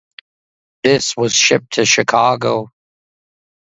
This was shipped to Chicago.